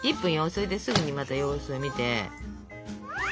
それですぐにまた様子を見て。